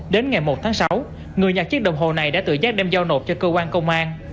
đến ngày một tháng sáu người nhặt chiếc đồng hồ này đã tự giác đem giao nộp cho cơ quan công an